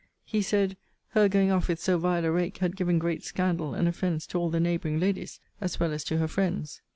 He said, 'Her going off with so vile a rake had given great scandal and offence to all the neighbouring ladies, as well as to her friends.'